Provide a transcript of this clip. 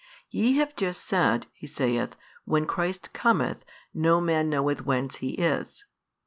Ye have just said (He saith) When Christ cometh, no man knoweth whence He is.